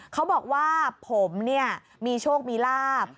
เขาบอกว่าผมมีโชคมีลาภ